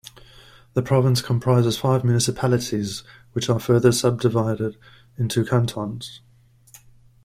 The province comprises five municipalities which are further subdivided into cantons.